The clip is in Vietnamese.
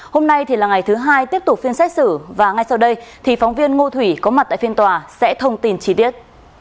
hôm nay thì là ngày thứ hai tiếp tục phiên xét xử và ngay sau đây thì phóng viên ngô thủy có mặt tại phiên tòa sẽ thông tin chi tiết